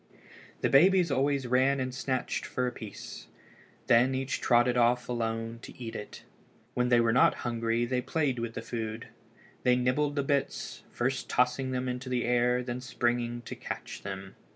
The babies always ran and snatched for a piece. Then each trotted off alone to eat it. When they were not hungry they played with the food. They nibbled the bits, first tossing them into the air and then springing to catch them.